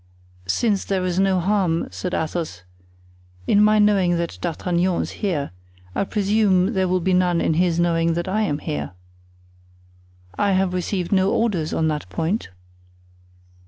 "Since there is no harm," said Athos, "in my knowing that D'Artagnan is here, I presume there will be none in his knowing that I am here." "I have received no orders on that point."